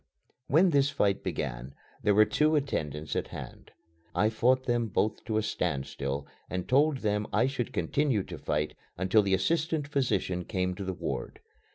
When this fight began, there were two attendants at hand. I fought them both to a standstill, and told them I should continue to fight until the assistant physician came to the ward.